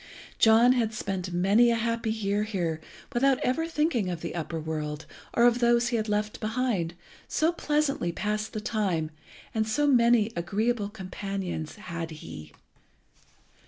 John had spent many a happy year here without ever thinking of the upper world, or of those he had left behind, so pleasantly passed the time so many agreeable companions had he.